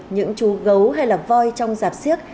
những chú gấu hay là voi trong giạp siếc